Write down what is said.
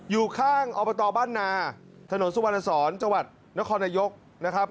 อยู่ข้างอบตบ้านนาถนนสุวรรณสอนจังหวัดนครนายกนะครับ